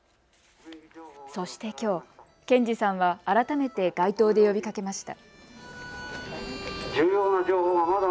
そしてきょう、賢二さんは改めて街頭で呼びかけました。